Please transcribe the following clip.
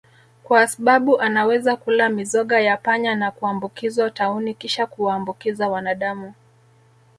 kwa sbabu anaweza kula mizoga ya panya na kuambukizwa tauni kisha kuwaambukiza wanadamu